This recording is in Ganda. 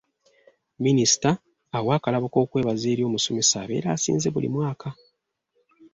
Minisita awa akalabo k'okwebaza eri omusomesa abeera asinze buli mwaka.